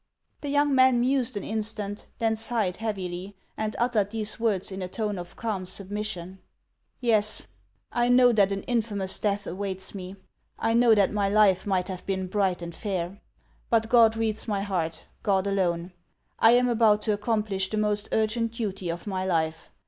The young man mused an instant, then sighed heavily, and uttered these words in a tone of calm submission :" Yes, I know that an infamous death awaits me ; I know that my life might have been bright and fair. But God reads my heart ; God alone ! I am about to accomplish the most urgent duty of my life.